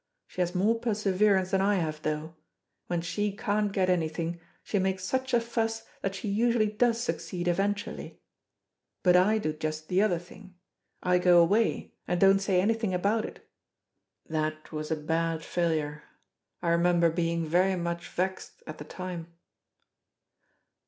She has more perseverance than I have, though. When she can't get anything, she makes such a fuss that she usually does succeed eventually. But I do just the other thing. I go away, and don't say anything about it. That was a bad failure. I remember being very much vexed at the time."